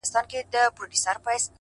مرگ دی که ژوند دی،